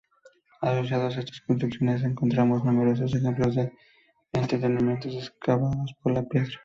Asociados a estas construcciones encontramos numerosos ejemplos de enterramientos excavados en la piedra.